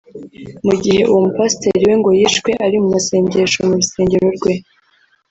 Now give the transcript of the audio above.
mu gihe uwo mupasiteri we ngo yishwe ari mu masengesho mu rusengero rwe